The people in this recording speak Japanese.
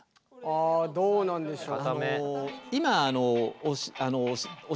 どうなんでしょう？